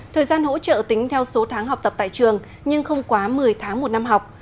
thời gian hỗ trợ tính theo số tháng học tập tại trường nhưng không quá một mươi tháng một năm học